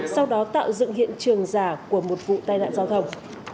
sau đó tạo dựng hiện trường giả của một vụ tai nạn giao thông